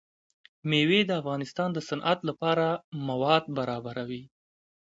مېوې د افغانستان د صنعت لپاره مواد برابروي.